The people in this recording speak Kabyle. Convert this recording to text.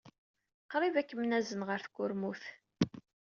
Qrib ad kem-nazen ɣer tkurmut.